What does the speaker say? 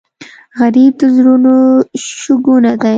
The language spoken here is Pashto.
غریب د زړونو شګونه دی